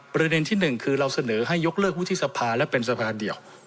ประเด็นที่หนึ่งคือเราเสนอให้ยกเลิกวุฒิสภาและเป็นสภาเดียว